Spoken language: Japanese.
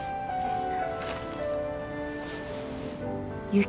雪？